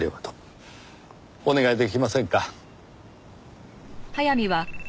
お願い出来ませんか？